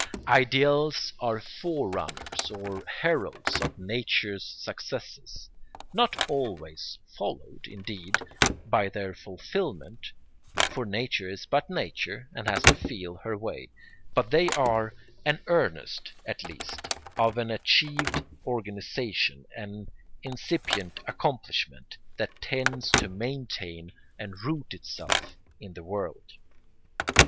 Ideals are forerunners or heralds of nature's successes, not always followed, indeed, by their fulfilment, for nature is but nature and has to feel her way; but they are an earnest, at least, of an achieved organisation, an incipient accomplishment, that tends to maintain and root itself in the world.